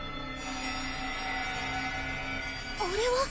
あれは。